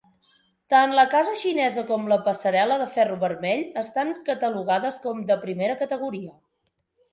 Tant la casa xinesa com la passarel·la de ferro vermell estan catalogades com de primera categoria.